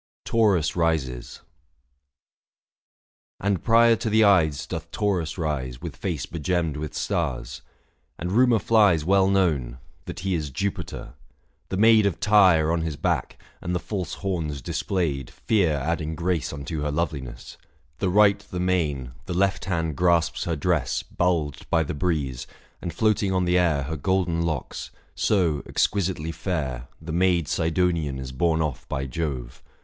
680 TAURUS RISES. And prior to the Ides doth Taurus rise With face begemmed with stars ; and rumour flies Well known — that he is Jupiter : The maid 685 Of Tyre on his back, and the false horns displayed, Fear adding grace unto her loveliness ; The right the mane, the left hand grasps her dress, Bulged by the breeze, and floating on the air Her golden locks ; so, exquisitely fair, 690 The maid Sidonian is borne off by Jove.